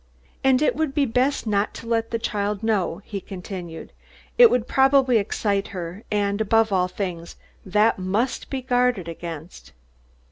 "And it would be best not to let the child know," he continued. "It would probably excite her, and, above all things, that must be guarded against."